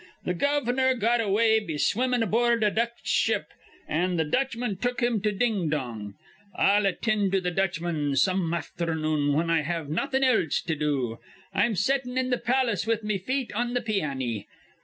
The gov'nor got away be swimmin' aboord a Dutch ship, an' th' Dutchman took him to Ding Dong. I'll attind to th' Dutchman some afthernoon whin I have nawthin'else to do. I'm settin' in the palace with me feet on th' pianny.